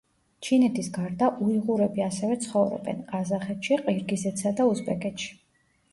ჩინეთის გარდა უიღურები ასევე ცხოვრობენ: ყაზახეთში, ყირგიზეთსა და უზბეკეთში.